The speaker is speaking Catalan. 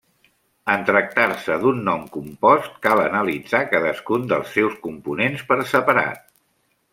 En tractar-se d'un nom compost, cal analitzar cadascun dels seus components per separat.